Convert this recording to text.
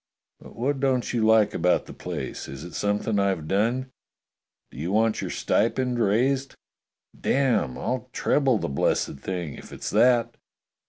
"But what don't you like about the place? Is it something I've done? Do you want your stipend raised? Damme, I'll treble the blessed thing, if it's that.